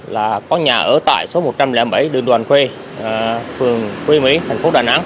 là có nhà ở tại số một trăm linh bảy đường đoàn khuê phường mỹ thành phố đà nẵng